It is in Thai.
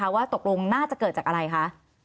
ว่าตกลงน่าจะเกิดจากอะไรคะ